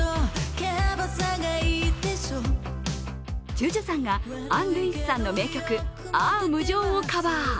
ＪＵＪＵさんがアン・ルイスさんの名曲「あゝ無情」をカバー。